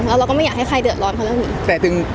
แล้วเราก็ไม่อยากให้ใครเดือดร้อนเขาเรื่องนี้